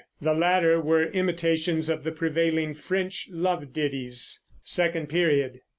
The latter were imitations of the prevailing French love ditties. SECOND PERIOD.